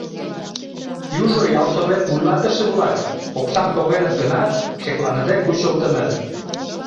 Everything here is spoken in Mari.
Южо ялсовет вуйлатыше-влак оксам погеныт гынат, шекланыде кучылтыныт.